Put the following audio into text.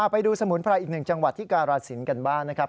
ไปดูสมุนไพรอีกหนึ่งจังหวัดที่การาศิลป์กันบ้างนะครับ